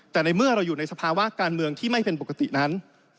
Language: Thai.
แต่ในเมื่อเราอยู่ในสภาวะการเมืองที่ไม่เป็นปกตินั้น